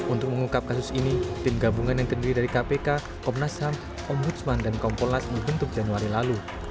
untuk mengungkap kasus ini tim gabungan yang terdiri dari kpk komnas ham ombudsman dan kompolnas membentuk januari lalu